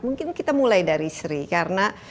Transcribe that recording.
mungkin kita mulai dari sri karena